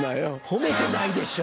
褒めてないでしょ！